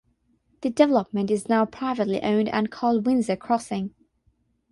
The development is now privately owned and called Windsor Crossing.